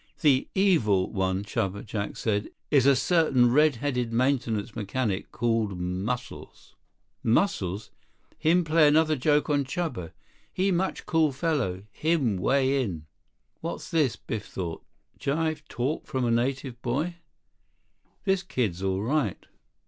"The 'evil' one, Chuba," Jack said, "is a certain red headed maintenance mechanic called Muscles." 54 "Muscles! Him play another joke on Chuba. He much cool fellow. Him way in." "What's this?" Biff thought. "Jive talk from a native boy? This kid's all right."